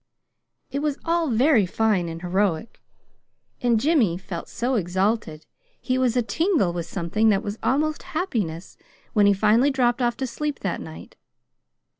It was all very fine and heroic, and Jimmy felt so exalted he was atingle with something that was almost happiness when he finally dropped off to sleep that night.